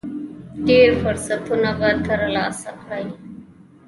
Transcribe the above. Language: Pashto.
ډېر فرصتونه به ترلاسه کړئ .